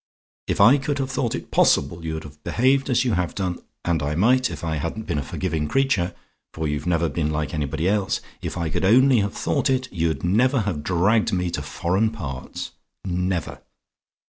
If I could have thought it possible you'd have behaved as you have done and I might, if I hadn't been a forgiving creature, for you've never been like anybody else if I could only have thought it, you'd never have dragged me to foreign parts. Never!